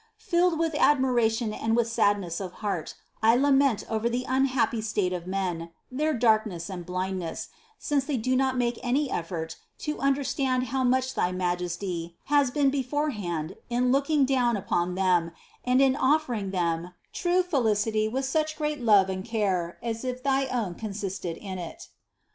Filled with ad miration and with sadness of heart, I lament over the un happy state of men, their darkness and blindness, since they do not make any effort to understand how much thy Majesty has been beforehand in looking down upon them and in offering them true felicity with such great love and care as if thy own consisted in it.